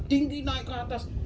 tinggi naik ke atas